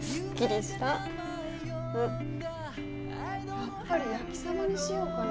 やっぱり焼きサバにしようかな。